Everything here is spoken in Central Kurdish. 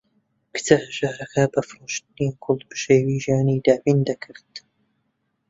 کچە هەژارەکە بە فرۆشتنی گوڵ بژێوی ژیانی دابین دەکرد.